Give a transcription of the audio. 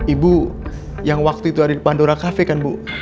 ibu yang waktu itu ada di pandora kafe kan bu